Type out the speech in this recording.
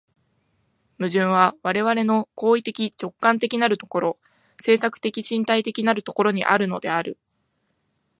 矛盾は我々の行為的直観的なる所、制作的身体的なる所にあるのである。